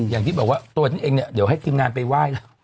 อย่างที่บอกว่าตัวฉันเองเนี่ยเดี๋ยวให้ทีมงานไปไหว้แล้ว